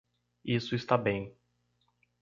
Isso está bem.